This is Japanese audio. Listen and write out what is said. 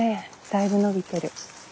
だいぶ伸びてる。